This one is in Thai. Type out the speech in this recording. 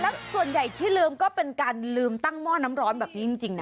แล้วส่วนใหญ่ที่ลืมก็เป็นการลืมตั้งหม้อน้ำร้อนแบบนี้จริงนะ